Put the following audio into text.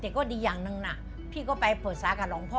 แต่ก็ดีอย่างนึงน่ะพี่ก็ไปเผยศาสตร์กับหลวงพ่อ